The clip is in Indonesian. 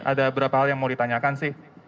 ada beberapa hal yang mau ditanyakan sih